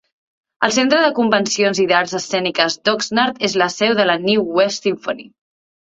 El Centre de convencions i d'arts escèniques d'Oxnard és la seu de la New West Symphony.